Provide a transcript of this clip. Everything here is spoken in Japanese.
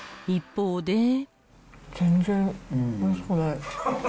全然おいしくない。